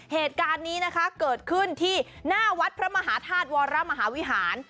เหตุการณ์นี้นะคะเกิดขึ้นที่หน้าวัดพระมหาธาตุวรมหาวิหาร